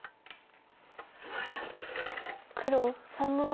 黒３の七。